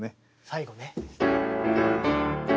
最後ね。